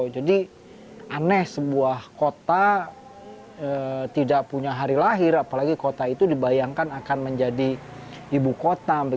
jadi aneh sebuah kota tidak punya hari lahir apalagi kota itu dibayangkan akan menjadi ibu kota